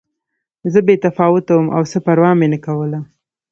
زه بې تفاوته وم او څه پروا مې نه کوله